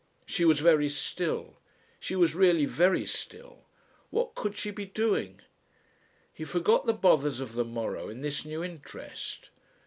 She was very still. She was really very still! What could she be doing? He forgot the bothers of the morrow in this new interest.